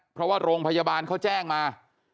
เพราะว่าโรงพยาบาลเขาแจ้งมา